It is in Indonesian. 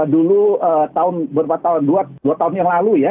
dulu berapa tahun dua tahun yang lalu ya